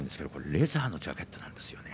レザーのジャケットなんですよね。